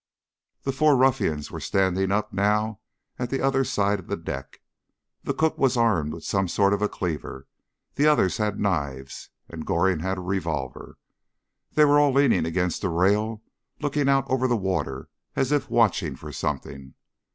The four ruffians were standing up now at the other side of the deck. The cook was armed with some sort of a cleaver, the others had knives, and Goring had a revolver. They were all leaning against the rail and looking out over the water as if watching for something.